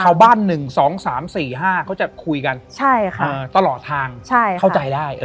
๑๒๓๔๕เขาจะคุยกันตลอดทางเข้าใจได้